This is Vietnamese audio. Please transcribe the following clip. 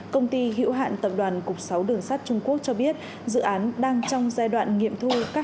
công ty hữu hạn tập đoàn cục sáu đường sắt trung quốc cho biết dự án đang trong giai đoạn nghiệm thu các